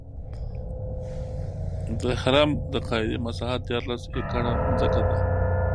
د هرم د قاعدې مساحت دیارلس ایکړه ځمکه ده.